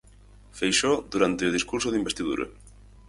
Feixóo durante o discurso de investidura.